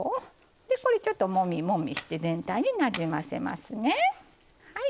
でこれちょっともみもみして全体になじませますね。